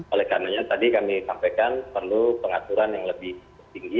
oleh karenanya tadi kami sampaikan perlu pengaturan yang lebih tinggi